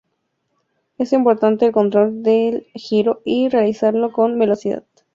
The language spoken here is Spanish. Es importante el control del giro y realizarlo con velocidad.